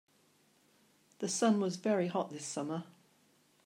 The sun was very hot this summer.